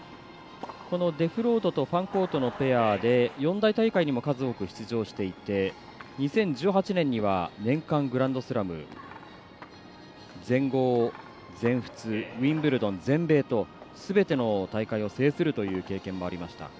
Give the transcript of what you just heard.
デフロートとファンコートのペアで四大大会にも数多く出場していて２０１８年には年間グランドスラム全豪、全仏、ウィンブルドン全米とすべての大会を制するという経験もありました。